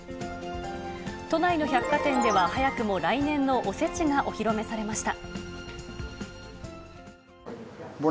都内の百貨店では、早くも来年のおせちがお披露目されました。